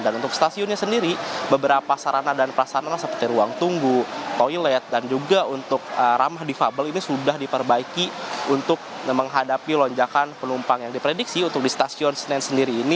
dan untuk stasiunnya sendiri beberapa sarana dan prasarana seperti ruang tunggu toilet dan juga untuk ramah defable ini sudah diperbaiki untuk menghadapi lonjakan penumpang yang diprediksi untuk di stasiun senen sendiri ini